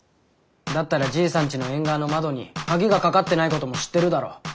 だったらじいさんちの縁側の窓に鍵がかかってないことも知ってるだろ。